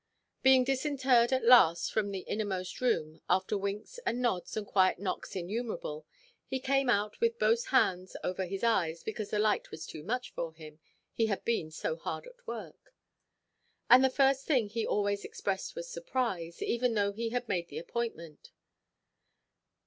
Being disinterred at last from the innermost room, after winks, and nods, and quiet knocks innumerable, he came out with both hands over his eyes, because the light was too much for him, he had been so hard at work. And the first thing he always expressed was surprise, even though he had made the appointment.